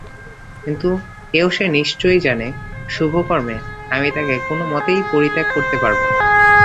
কিন্তু এও সে নিশ্চয় জানে শুভকর্মে আমি তাকে কোনো মতেই পরিত্যাগ করতে পারব না।